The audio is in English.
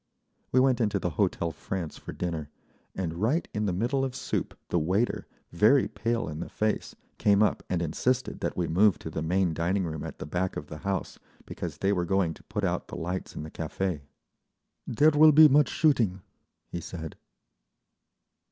We went into the Hotel France for dinner, and right in the middle of soup the waiter, very pale in the face, came up and insisted that we move to the main dining room at the back of the house, because they were going to put out the lights in the café. "There will be much shooting," he said.